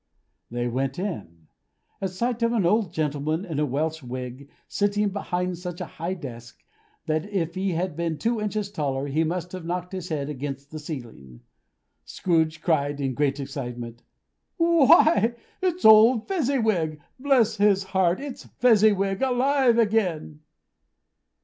They went in. At sight of an old gentleman in a Welsh wig, sitting behind such a high desk, that if he had been two inches taller he must have knocked his head against the ceiling, Scrooge cried in great excitement: "Why, it's old Fezziwig! Bless his heart; it's Fezziwig alive again!"